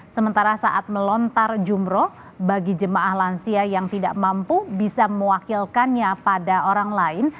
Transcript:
sementara saat melontar jumroh bagi jemaah lansia yang tidak mampu bisa mewakilkannya pada orang lain